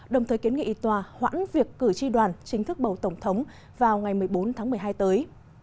đồng thời kiến nghị tòa hoãn việc cử tri đoàn chính thức bầu tổng thống vào ngày một mươi bốn tháng một mươi hai tới